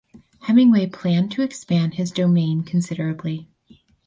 Hemingway planned to expand his domain considerably.